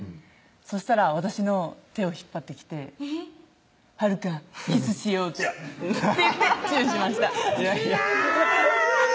そしたら私の手を引っ張ってきて「晴香キスしよう」っていやっ！って言ってチューしましたキャー！